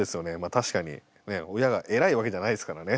確かにねえ親が偉いわけじゃないですからね。